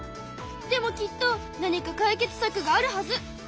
でもきっと何か解決さくがあるはず！